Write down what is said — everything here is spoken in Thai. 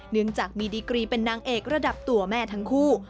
เนื่องจากมีดีกรีเป็นนางเอกระดับตัวแม่ทั้งคู่